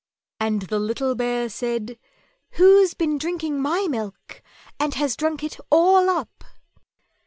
and the little Bear said, "_Who's been drinking my milk and has drunk it all up?